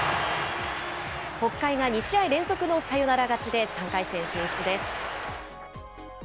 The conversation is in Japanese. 北海が２試合連続のサヨナラ勝ちで３回戦進出です。